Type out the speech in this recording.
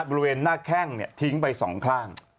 บริเวณหน้าแข้งทิ้งไปสองข้าง